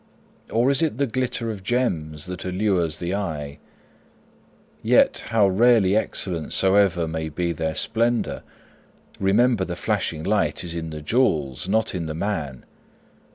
Or is it the glitter of gems that allures the eye? Yet, how rarely excellent soever may be their splendour, remember the flashing light is in the jewels, not in the man.